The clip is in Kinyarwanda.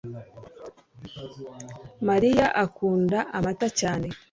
mariya akunda amata cyane